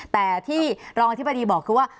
แต่ที่รองอธิบดีบอกคือว่า